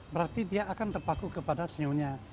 berarti dia akan terpaku kepada senyumnya